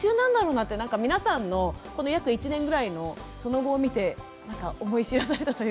なんか皆さんのこの約１年ぐらいのその後を見てなんか思い知らされたというか。